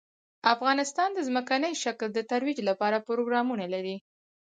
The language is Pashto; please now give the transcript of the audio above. افغانستان د ځمکنی شکل د ترویج لپاره پروګرامونه لري.